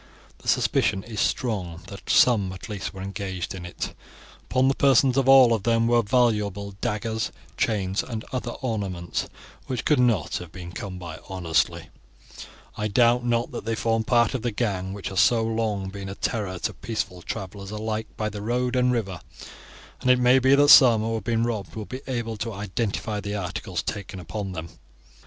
The suspicion is strong that some at least were engaged in it. Upon the persons of all of them were valuable daggers, chains, and other ornaments, which could not have been come by honestly, and I doubt not that they form part of the gang which has so long been a terror to peaceful travelers alike by the road and river, and it may be that some who have been robbed will be able to identify the articles taken upon them.